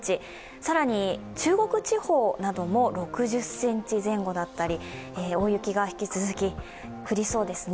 更に中国地方なども６０ｃｍ前後だったり、大雪が引き続き降りそうですね。